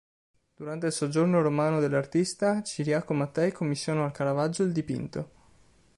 Durante il soggiorno romano dell'artista, Ciriaco Mattei commissionò al Caravaggio il dipinto.